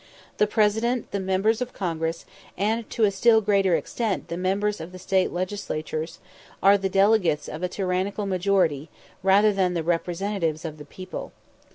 The President, the Members of Congress, and to a still greater extent the members of the State Legislatures, are the delegates of a tyrannical majority rather than the representatives of the people.